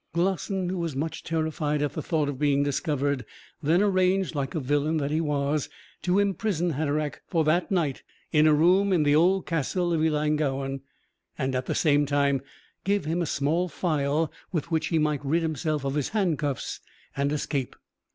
Glossin, who was much terrified at the thought of being discovered, then arranged, like a villain that he was, to imprison Hatteraick for that night in a room in the old castle of Ellangowan, and at the same time give him a small file with which he might rid himself of his handcuffs and escape.